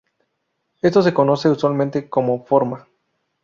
Esto se conoce usualmente como "forma".